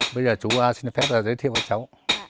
bây giờ chú xin phép giới thiệu với cháu